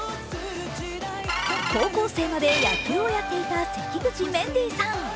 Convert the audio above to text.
高校生まで野球をやっていた関口メンディーさん。